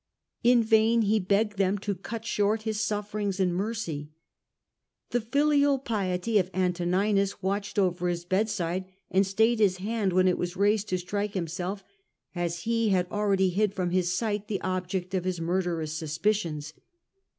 In vain he begged them to cut short his sufferings in mercy. The filial piety of Antoninus watched over his bedside and stayed his hand when it was raised to strike himself, as he had already hid from his sight the objects of his murderous suspicions.